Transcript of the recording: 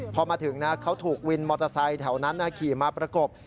พอมาถึงนะเขาถูกวินมอเตอร์ไซค์แถวนั้นขี่มาประกบ